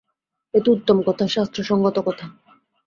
এ তো উত্তম কথা, শাস্ত্রসংগত কথা।